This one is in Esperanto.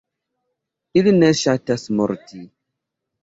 Ili ne ŝatas morti.